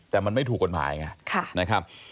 แต่มันไม่ถูกกฎหมายไงนะครับ